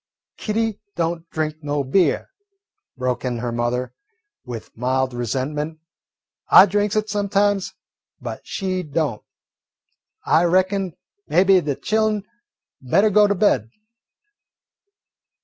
"Kitty don't drink no beer," broke in her mother with mild resentment. "I drinks it sometimes, but she don't. I reckon maybe de chillen better go to bed."